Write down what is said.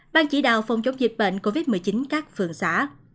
ban chỉ đạo phòng chống dịch bệnh covid một mươi chín các phường xã